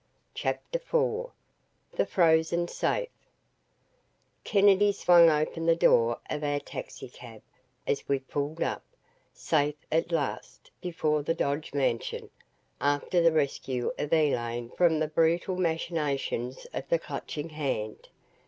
CHAPTER IV "THE FROZEN SAFE" Kennedy swung open the door of our taxicab as we pulled up, safe at last, before the Dodge mansion, after the rescue of Elaine from the brutal machinations of the Clutching Hand.